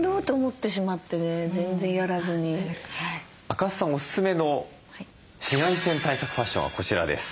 赤須さんおすすめの紫外線対策ファッションはこちらです。